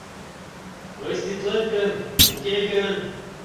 Проститлет гын, уке гын?